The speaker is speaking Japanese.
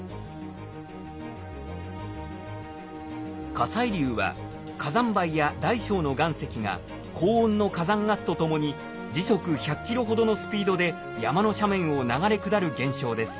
火砕流は火山灰や大小の岩石が高温の火山ガスとともに時速１００ｋｍほどのスピードで山の斜面を流れ下る現象です。